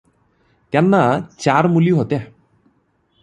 त्यांना चार मुली होत्या.